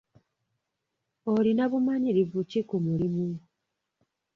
Olina bumanyirivu ki mu mulimu?